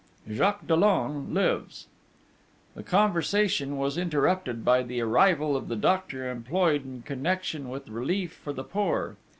Jacques Dollon lives The conversation was interrupted by the arrival of the doctor employed in connection with relief for the poor.